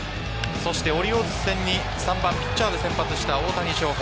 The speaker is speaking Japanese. オリオールズ戦に３番・ピッチャーで先発した大谷翔平。